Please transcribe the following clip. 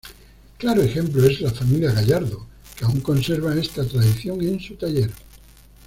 Claro ejemplo es la familia Gallardo, que aun conserva esta tradición en su taller.